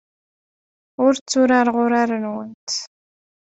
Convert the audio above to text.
Ur tturareɣ urar-nwent.